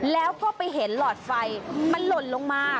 แล้วก็ไปเห็นหลอดไฟมันหล่นลงมา